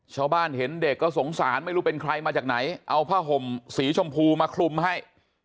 ชาวบ้านเห็นเด็กก็สงสารไม่รู้เป็นใครมาจากไหนเอาผ้าห่มสีชมพูมาคลุมให้